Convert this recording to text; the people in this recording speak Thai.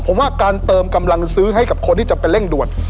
ผมว่าการเติมกำลังซื้อให้กับคนที่จะไปเร่งด่วน